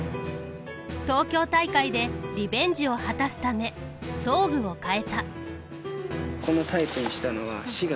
東京大会でリベンジを果たすため装具を変えた。